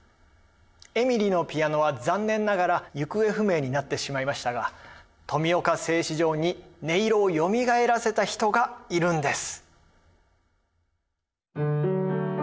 エミリのピアノは残念ながら行方不明になってしまいましたが富岡製糸場に音色をよみがえらせた人がいるんです。